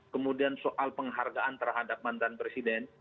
kemudian soal penghargaan terhadap mantan presiden